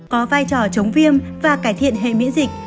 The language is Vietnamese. có vai trò chống viêm và cải thiện hệ miễn dịch